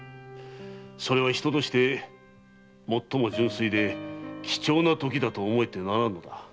それは人として最も純粋で貴重なときだと思えるのだ。